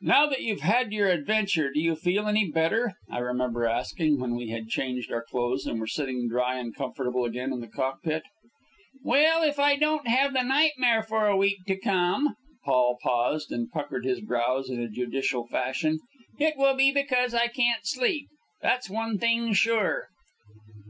"Now that you've had your adventure, do you feel any better?" I remember asking when we had changed our clothes and were sitting dry and comfortable again in the cockpit. "Well, if I don't have the nightmare for a week to come" Paul paused and puckered his brows in judicial fashion "it will be because I can't sleep, that's one thing sure!"